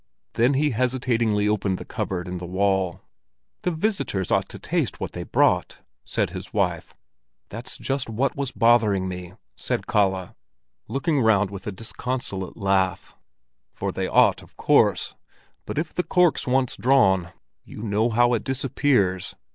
Then he hesitatingly opened the cupboard in the wall. "The visitors ought to taste what they brought," said his wife. "That's just what was bothering me!" said Kalle, turning round with a disconsolate laugh. "For they ought, of course. But if the cork's once drawn, you know how it disappears."